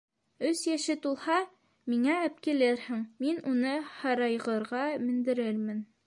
Өс йәше тулһа, миңә әпкилерһең, мин уны һарайғырға мендерермен!